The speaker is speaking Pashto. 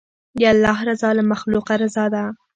د الله رضا له مخلوقه رضا ده.